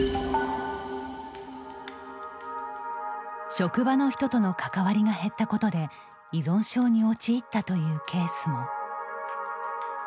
職場の人との関わりが減ったことで依存症に陥ったというケースも。